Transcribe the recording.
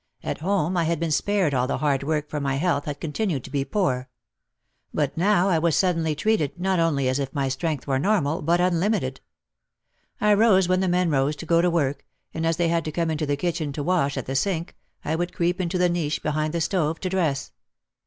At home I had been spared all the hard work for my health had continued to be poor. But now I was sud denly treated not only as if my strength were normal but unlimited. I rose when the men rose to go to work, and as they had to come into the kitchen to wash at the sink, I would creep into the niche behind the stove to dress.